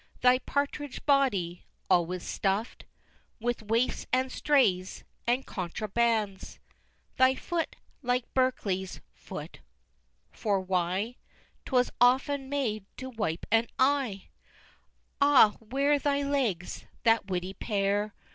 Thy partridge body, always stuff'd With waifs, and strays, and contrabands! Thy foot like Berkeley's Foote for why? 'Twas often made to wipe an eye! XI. Ah, where thy legs that witty pair!